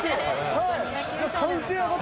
はい。